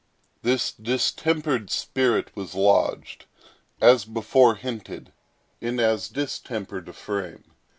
This distempered spirit was lodged, as before hinted, in as distempered a frame.